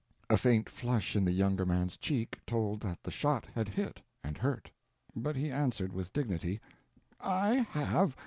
A faint flush in the younger man's cheek told that the shot had hit and hurt; but he answered with dignity: "I have.